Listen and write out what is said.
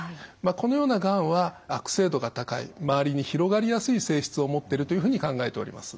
このようながんは悪性度が高い周りに広がりやすい性質を持ってるというふうに考えております。